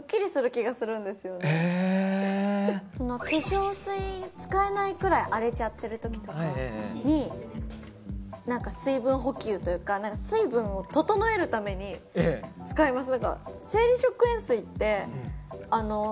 化粧水使えないくらい荒れちゃっている時とかに水分補給というか水分を整えるために使います。